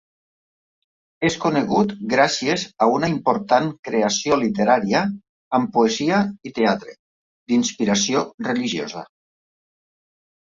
És conegut gràcies a una important creació literària amb poesia i teatre d'inspiració religiosa.